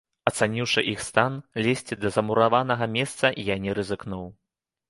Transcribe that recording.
Ацаніўшы іх стан, лезці да замураванага месца я не рызыкнуў.